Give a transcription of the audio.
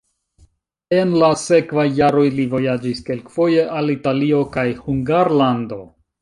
En la sekvaj jaroj li vojaĝis kelkfoje al Italio kaj Hungarlando.